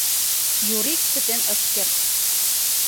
— Юрик чытен ыш керт.